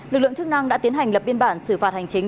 lực lượng chức năng đã tiến hành lập biên bản xử phạt hành chính